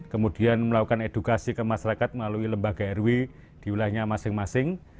kemudian melakukan edukasi ke masyarakat melalui lembaga rw di wilayahnya masing masing